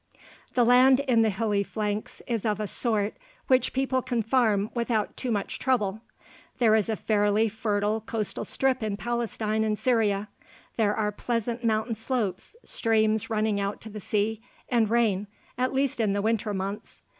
The land in the hilly flanks is of a sort which people can farm without too much trouble. There is a fairly fertile coastal strip in Palestine and Syria. There are pleasant mountain slopes, streams running out to the sea, and rain, at least in the winter months.